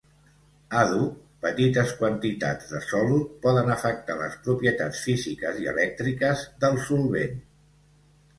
Àdhuc petites quantitats de solut poden afectar les propietats físiques i elèctriques del solvent.